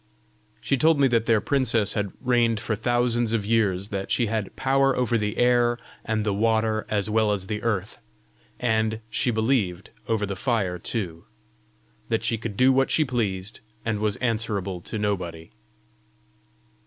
She told me that their princess had reigned for thousands of years; that she had power over the air and the water as well as the earth and, she believed, over the fire too; that she could do what she pleased, and was answerable to nobody.